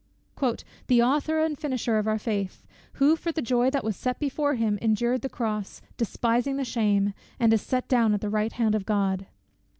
"The Author and Finisher of our faith, who for the joy that was set before him endured the cross, despising the shame, and is set down at the right hand of God."